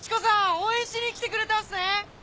応援しに来てくれたんすね。